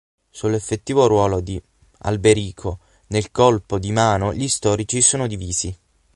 Sull'effettivo ruolo di Alberico nel colpo di mano gli storici sono divisi.